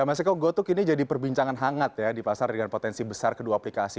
mas eko gotuk ini jadi perbincangan hangat ya di pasar dengan potensi besar kedua aplikasi